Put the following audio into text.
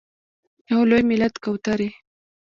یو لوی ملت کوترې…